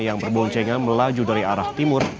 yang berboncengan melaju dari arah timur